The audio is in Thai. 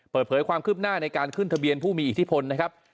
เปิดเผยความคืบหน้าในการขึ้นทะเบียนผู้มีอิทธิพลนะครับ